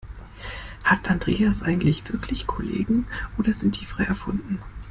Hat Andreas eigentlich wirklich Kollegen, oder sind die frei erfunden?